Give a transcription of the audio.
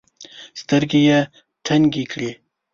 سترګي یې تنګي کړې .